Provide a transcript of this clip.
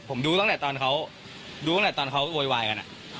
ผมดูตั้งแต่ตอนเขารู้ตั้งแต่ตอนเขาโวยวายกัน